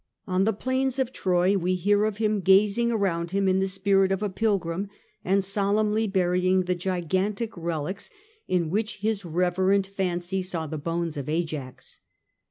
On the plains of Troy we hear of him gazing around him in the spirit of a pilgrim, and solemnly burying the gigantic relics in which his reverent fancy saw the bones of Ajax.